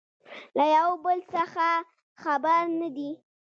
له يو بل څخه خبر نه دي